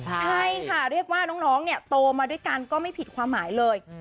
ใช่ค่ะเรียกว่าน้องเนี่ยโตมาด้วยกันก็ไม่ผิดความหมายเลย